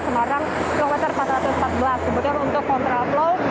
kemudian untuk kontrak low